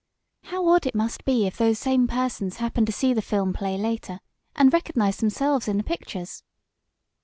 How odd it must be if those same persons happen to see the film play later, and recognize themselves in the pictures."